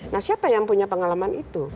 nah siapa yang punya pengalaman itu